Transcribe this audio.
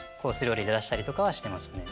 料理で出したりとかはしてますね。